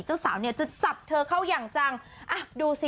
เจ้าสาวจะจับเธอเข้าอย่างจังดูสิ